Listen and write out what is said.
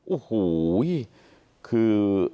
โอ้โหคือ